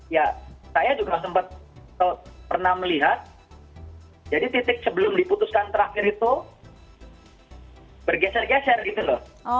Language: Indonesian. ya saya juga sempat pernah melihat jadi titik sebelum diputuskan terakhir itu bergeser geser gitu loh